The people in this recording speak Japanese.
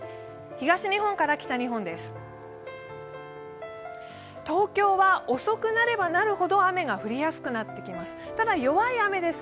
東日本から北日本です。